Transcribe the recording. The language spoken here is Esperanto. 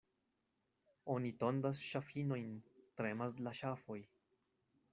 Oni tondas ŝafinojn, tremas la ŝafoj.